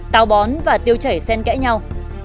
tào bón và tiêu chảy sen kẽ nhau